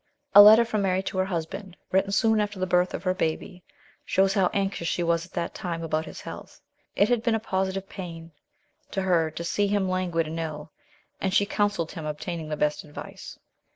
A letter from Mary to her husband, written soon after the birth of her baby, shows how anxious she was at that time about his health. It had been a positive pain to her to see him languid and ill, and she counselled him obtaining the best advice.